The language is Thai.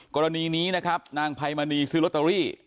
กรณีนี้นะครับนางไพมณีซื้อลอตเตอรี่